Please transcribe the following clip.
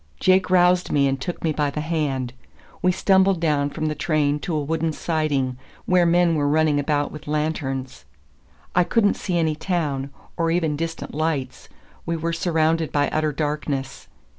Jake roused me and took me by the hand. We stumbled down from the train to a wooden siding, where men were running about with lanterns. I could n't see any town, or even distant lights; we were surrounded by utter darkness.